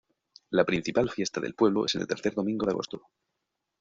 La principal fiesta del pueblo es en el tercer domingo de agosto.